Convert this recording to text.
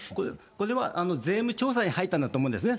これは税務調査に入ったんだと思うんですね。